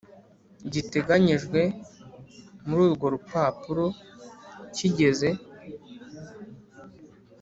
giteganyijwe muri urwo rupapuro kigeze